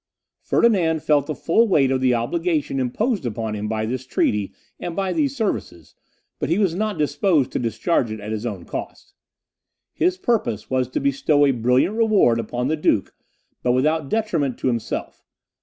Ferdinand felt the full weight of the obligation imposed upon him by this treaty and by these services, but he was not disposed to discharge it at his own cost. His purpose was to bestow a brilliant reward upon the duke, but without detriment to himself.